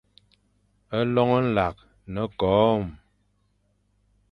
Loñ nlakh ne-koom.